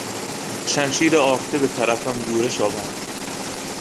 با شمشیر آخته به طرفم یورش آورد.